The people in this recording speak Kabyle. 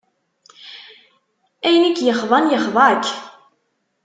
Ayen i k-yexḍan, yexḍa-k.